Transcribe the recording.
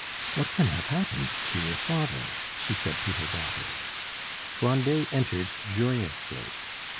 "What can have happened to your father?" she said to her daughter. Grandet entered joyously.